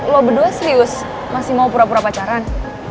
lo berdua serius masih mau pura pura pacaran